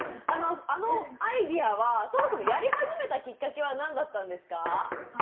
あのアイデアはそもそもやり始めたきっかけは何だったんですか？